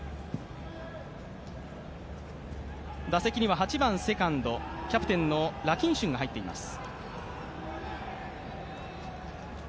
打席には８番セカンド、キャプテンのラ・キンシュンが入っています。